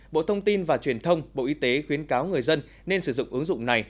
bộ thông tin và truyền thông bộ y tế khuyến cáo người dân nên sử dụng ứng dụng này